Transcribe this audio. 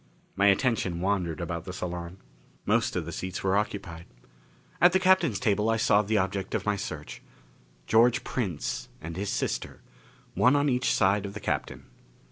My attention wandered about the salon. Most of the seats were occupied. At the Captain's table I saw the objects of my search: George Prince and his sister, one on each side of the Captain.